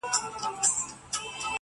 نه زارۍ دي سي تر ځایه رسېدلای!!